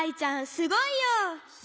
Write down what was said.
すごいよ！